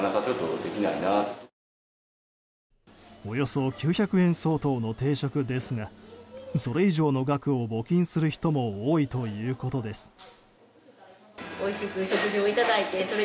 およそ９００円相当の定食ですがそれ以上の額を募金する人も多いということです。